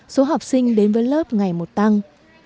số học sinh đến với lớp ngày một tăng